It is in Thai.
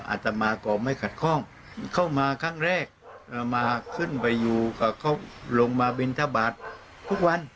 อาตมาก่อไม่ขัดข้องเข้ามาครั้งแรกมาขึ้นไปอยู่กับเขาลงมาบินทบาททุกวัน